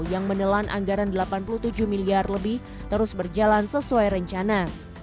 yang menelan anggaran delapan puluh tujuh miliar lebih terus berjalan sesuai rencana